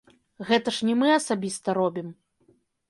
Гэта ж не мы асабіста робім.